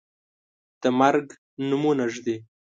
د مرګ نومونه ږدي